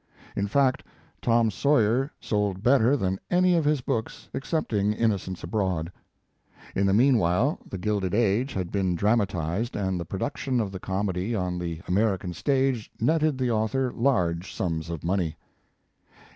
In fact, "Tom Sawyer" sold better than any of his books, excepting "Innocents Abroad." In the meanwhile, "The Gilded Age" had been dramatized and the production of the comedy on the American stage netted the author large sums of money.